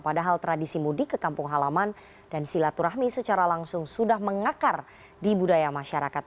padahal tradisi mudik ke kampung halaman dan silaturahmi secara langsung sudah mengakar di budaya masyarakat